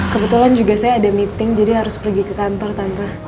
kebetulan juga saya ada meeting jadi harus pergi ke kantor tanpa